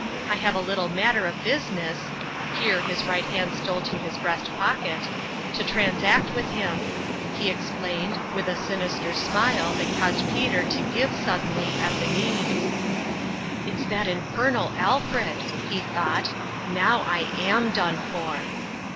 I have a little matter of business " (here his right hand stole to his breast pocket) " to transact with him," he explained, with a sinister smile that caused Peter to give suddenly at the knees. 172 ftotmnalin's ime "It's that infernal Alfred!" he thought. " Now I am done for